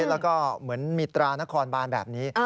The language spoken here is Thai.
แล้วก็เหมือนมิตราณคอนบาร์ยแบบนี้